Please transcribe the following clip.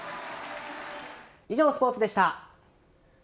以上、スポーツでした。